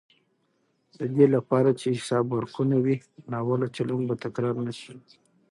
د دې لپاره چې حساب ورکونه وي، ناوړه چلند به تکرار نه شي.